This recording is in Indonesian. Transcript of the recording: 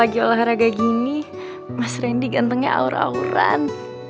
lagi olahraga gini mas randy gantengnya aur auran